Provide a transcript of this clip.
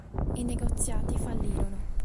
I negoziati fallirono.